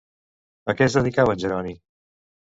A què es dedicava en Jeroni?